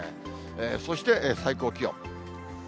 そして、最高気温。